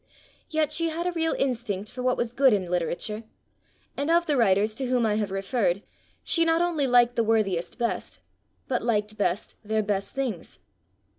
Yet she had a real instinct for what was good in literature; and of the writers to whom I have referred she not only liked the worthiest best, but liked best their best things.